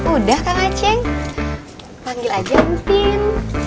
udah kang aceng panggil aja intin